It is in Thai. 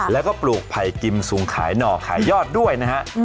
แล้วก็ปลูกไผ่กิมสูงขายหน่อขายยอดด้วยนะฮะ